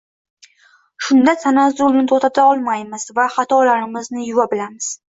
Shunda tanazzulni to‘xtata olamiz va xatolarimizni yuva bilamiz.